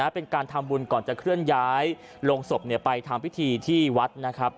เป็นการทำบุญก่อนจะเคลื่อนย้ายลงศพไปทำพิธีที่วัดนะครับ